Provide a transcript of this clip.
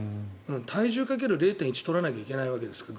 体重掛ける０．１取らなきゃいけないんですから。